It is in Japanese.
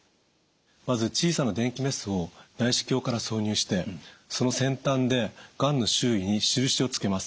まず小さな電気メスを内視鏡から挿入してその先端でがんの周囲に印をつけます。